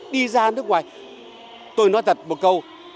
đi ra nước ngoài tôi nói thật một câu